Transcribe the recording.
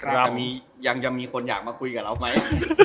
ยังมีคนอยากมาคุยกับเราไหม